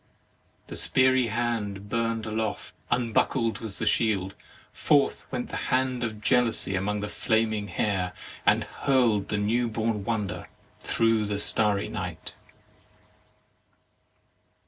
The speary hand burn'd aloft; unbuckled was the shield; forth went the hand of jealousy among the flam ing hair, and hurl'd the new born wonder through the starry night.